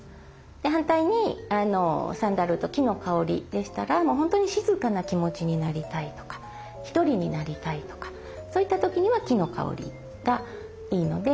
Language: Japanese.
反対にサンダルウッド木の香りでしたらもう本当に静かな気持ちになりたいとか一人になりたいとかそういった時には木の香りがいいので。